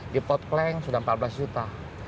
di port plain sudah empat belas juta